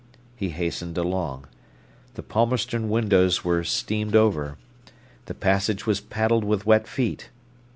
He hastened along. The Palmerston windows were steamed over. The passage was paddled with wet feet.